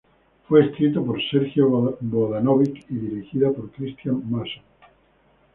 Fue escrita por Sergio Vodanovic y dirigida por Cristián Mason.